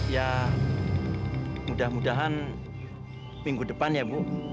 ya mudah mudahan minggu depan ya bu